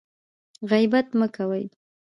غیبت مه کوئ